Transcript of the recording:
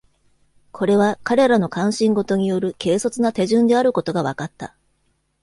これは彼らの関心事による軽率な手順であることが分かった。